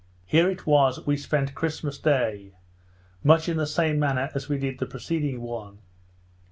Here it was we spent Christmas day, much in the same manner as we did the preceding one.